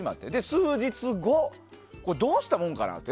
数日後、どうしたもんかなと。